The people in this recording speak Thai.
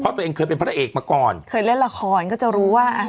เพราะตัวเองเคยเป็นพระเอกมาก่อนเคยเล่นละครก็จะรู้ว่าอ่ะ